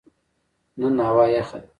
نن هوا یخه ده